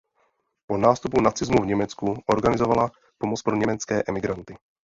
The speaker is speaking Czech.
Po nástupu nacismu v Německu organizovala pomoc pro německé emigranty.